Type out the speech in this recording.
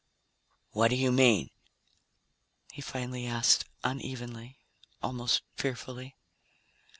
"What do you mean?" he finally asked unevenly, almost fearfully.